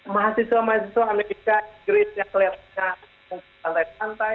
mahasiswa mahasiswa amerika inggris yang kelihatannya santai santai